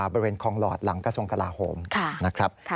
บริเวณคลองหลอดหลังกระทรวงกลาโหมนะครับ